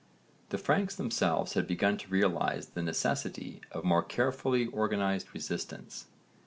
The Franks themselves had begun to realise the necessity of more carefully organised resistance.